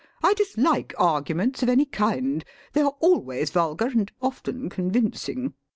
I dislike arguments of any kind. They are always vulgar, and often convincing.